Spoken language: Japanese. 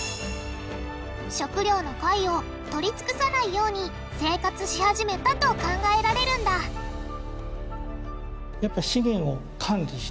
食料の貝をとり尽くさないように生活し始めたと考えられるんだ優しいですね。